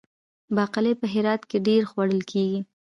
باقلي په هرات کې ډیر خوړل کیږي.